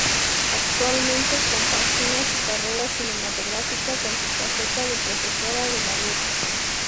Actualmente, compagina su carrera cinematográfica con su faceta de profesora de ballet.